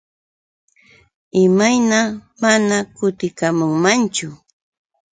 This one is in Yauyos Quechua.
¿Imayna mana kutikamunmanchu?